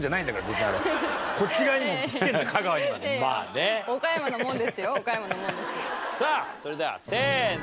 さあそれではせーの。